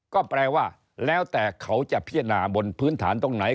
ก็แปลว่าแล้วแต่เขาจะพิจารณาบนพื้นฐานตรงไหน